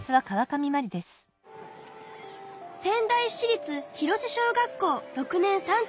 仙台市立広瀬小学校６年３組。